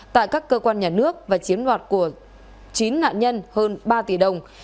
tại các cơ quan nhà nước và chiếm đoạt của chín nạn nhân hơn ba tỷ đồng